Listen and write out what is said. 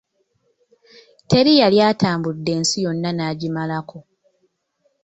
Teri yali atambudde nsi yonna n'agimalako.